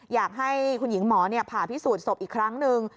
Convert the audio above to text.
อยากให้คุณหญิงหมอผ่าพิสูจน์ศพอีกครั้งหนึ่ง